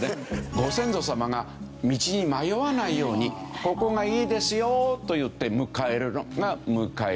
ご先祖様が道に迷わないように「ここが家ですよ」といって迎えるのが迎え火。